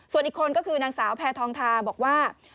ส่วนอีกคนก็คือนางสาวแพทองทาบอกว่า